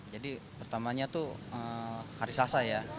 jadi pertamanya tuh hari sasa ya